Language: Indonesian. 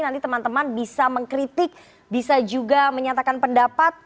nanti teman teman bisa mengkritik bisa juga menyatakan pendapat